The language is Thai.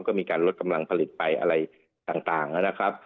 ก็มีการลดกำลังผลิตไปอะไรต่างนะครับ